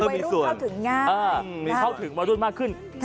เวยรุ่นเข้าถึงง่ายเออเข้าถึงวัยรุ่นมากขึ้นค่ะ